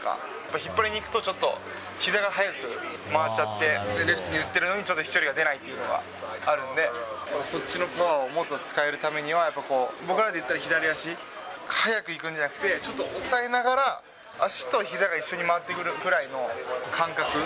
引っ張りにいくと、ちょっとひざが速く回っちゃって、レフトに打ってるのにちょっと飛距離が出ないっていうのがあるんで、こっちのパワーをもっと使えるためには、僕らで言ったら左足、早くいくんじゃなくて、ちょっとおさえながら、足とひざが一緒に回ってくるくらいの感覚。